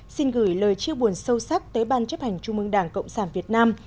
xin gửi lời chia buồn sâu sắc tới ban chấp hành trung mương đảng cộng sản việt nam